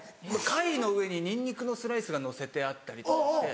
貝の上にニンニクのスライスがのせてあったりとかして。